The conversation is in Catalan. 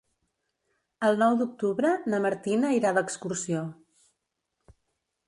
El nou d'octubre na Martina irà d'excursió.